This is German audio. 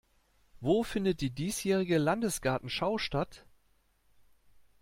Wo findet die diesjährige Landesgartenschau statt?